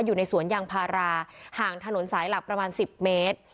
อยู่ในสวนยางพาราห่างถนนสายหลักประมาณ๑๐เมตร